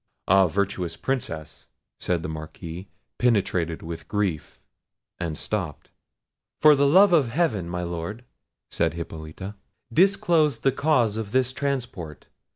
"Ah, virtuous Princess!" said the Marquis, penetrated with grief, and stopped. "For the love of Heaven, my Lord," said Hippolita, "disclose the cause of this transport!